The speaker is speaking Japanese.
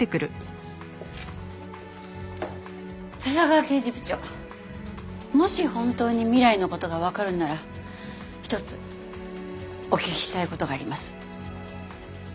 笹川刑事部長もし本当に未来の事がわかるのなら一つお聞きしたい事があります。